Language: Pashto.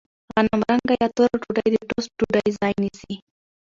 غنمرنګه یا توره ډوډۍ د ټوسټ ډوډۍ ځای نیسي.